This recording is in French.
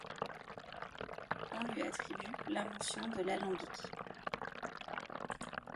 On lui attribue l'invention de l'alambic.